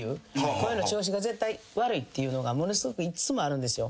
声の調子が絶対悪いっていうのがものすごくいっつもあるんですよ。